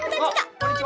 こんにちは。